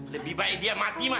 lebih baik dia mati mati